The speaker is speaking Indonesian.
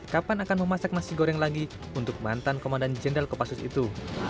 kapan akan memasak nasi goreng lagi untuk mantan komandan jenderal kopassus itu